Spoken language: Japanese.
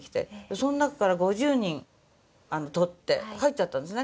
その中から５０人とって入っちゃったんですね。